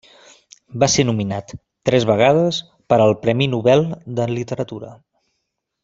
Va ser nominat, tres vegades, per al Premi Nobel de Literatura.